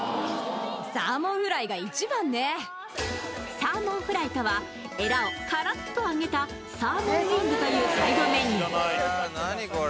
サーモンフライとはエラをカラッと揚げたサーモンウィングというサイドメニュー。